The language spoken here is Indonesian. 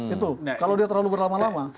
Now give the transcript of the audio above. itu kalau dia terlalu berlama lama